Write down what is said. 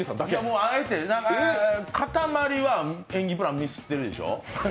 あえて、かたまりは演技プラン、ミスってるでしょ。